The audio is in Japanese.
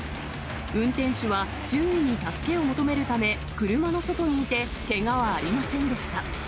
運転手は周囲に助けを求めるため、車の外にいてけがはありませんでした。